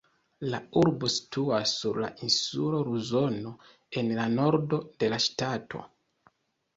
La urbo situas sur la insulo Luzono, en la nordo de la ŝtato.